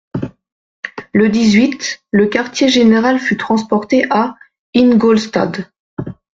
Le dix-huit, le quartier-général fut transporté à Ingolstadt.